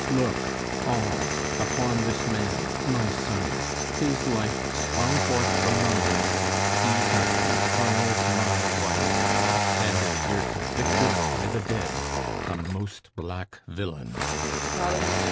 Look, all, upon this man, my son, his life Sprung forth from mine! He hath defiled my wife; And standeth here convicted by the dead, A most black villain!